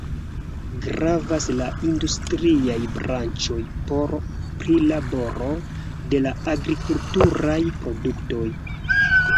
Gravas la industriaj branĉoj por prilaboro de la agrikulturaj produktoj.